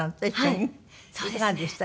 いかがでした？